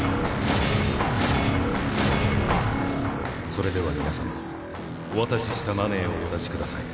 それでは皆さまお渡ししたマネーをお出しください。